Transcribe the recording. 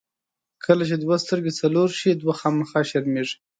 کله چې دوه سترګې څلور شي، دوې خامخا شرمېږي.